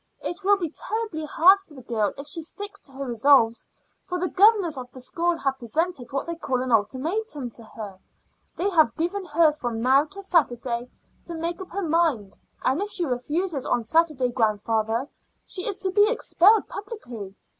It will be terribly hard for the girl if she sticks to her resolve, for the governors of the school have presented what they call an ultimatum to her; they have given her from now till Saturday to make up her mind, and if she refuses on Saturday grandfather, she is to be expelled publicly.